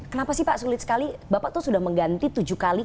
kenapa sih pak sulit sekali bapak tuh sudah mengganti tujuh kali